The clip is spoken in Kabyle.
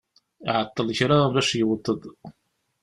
Iɛeṭṭel kra bac yewweḍ-d.